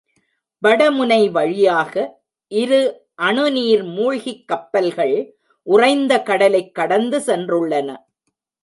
வடமுனை வழியாக இரு அணு நீர் மூழ்கிக் கப்பல்கள் உறைந்த கடலைக் கடந்து சென்றுள்ளன.